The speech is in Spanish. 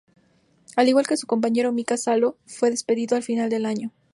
Al igual que su compañero Mika Salo, fue despedido al final del año.